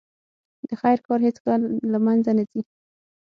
د خیر کار هیڅکله له منځه نه ځي.